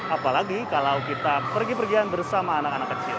apalagi kalau kita pergi pergian bersama anak anak kecil